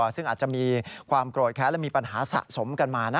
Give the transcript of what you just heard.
ซึ่งอาจจะมีความโกรธแค้นและมีปัญหาสะสมกันมานะ